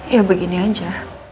ya begini aja